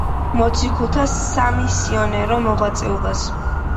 მოციქულთა სამისიონერო მოღვაწეობას.